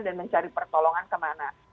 dan mencari pertolongan ke mana